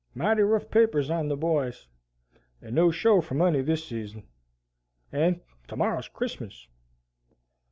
"Mighty rough papers on the boys, and no show for money this season. And tomorrow's Christmas."